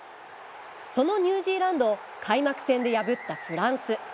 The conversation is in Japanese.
そのニュージーランドを開幕戦で破ったフランス。